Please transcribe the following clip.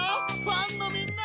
ファンのみんな！